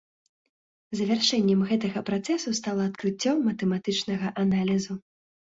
Завяршэннем гэтага працэсу стала адкрыццё матэматычнага аналізу.